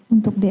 untuk d ricky